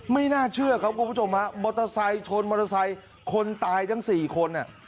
ไม่น่าเชื่อครับคุณผู้ชมฮะมอเตอร์ไซค์ชนมอเตอร์ไซค์คนตายทั้งสี่คน